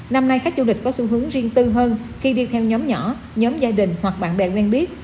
năm nay khách du lịch có xu hướng riêng tư hơn khi đi theo nhóm nhỏ nhóm gia đình hoặc bạn bè quen biết